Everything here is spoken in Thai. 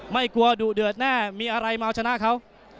ไม่กลัวดุเดือดแน่มีอะไรมาเอาชนะเขา